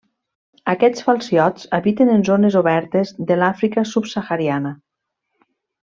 Aquests falciots habiten en zones obertes de l'Àfrica subsahariana.